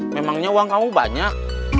memangnya uang kamu banyak